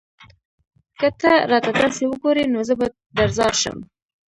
که ته راته داسې وگورې؛ نو زه به درځار شم